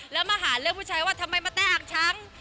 แล้วมาหาเรื่องผู้ชายว่าทำไมมาแต้อ่างช้าง